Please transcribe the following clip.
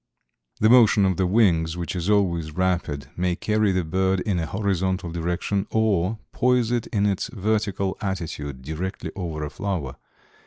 The motion of the wings, which is always rapid, may carry the bird in a horizontal direction or poise it in its vertical attitude directly over a flower.